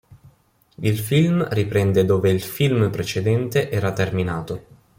Il film riprende dove il film precedente era terminato.